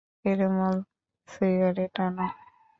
Perumal, cigarette আনো।